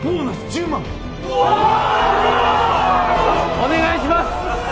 お願いします！